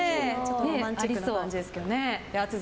ロマンチックな感じですけど。